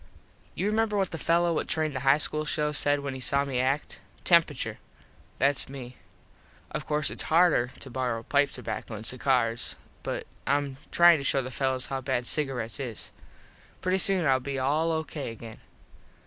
You remember what the fello what trained the high school show said when he saw me act. Temperature. Thats me. Of course its harder to borrow pipe tobacco and cigars but Im tryin to show the fellos how bad cigarets is. Pretty soon Ill be all O.K. again.